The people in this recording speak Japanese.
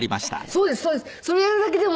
そうですそうです。